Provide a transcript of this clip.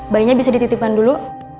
bayinya bisa dititipkan dulu